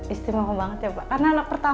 istimewa banget ya pak karena anak pertama ya